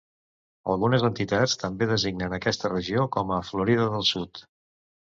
Algunes entitats també designen aquesta regió com a "Florida del Sud".